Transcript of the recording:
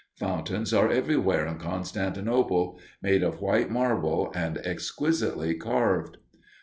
Fountains are everywhere in Constantinople, made of white marble and exquisitely carved.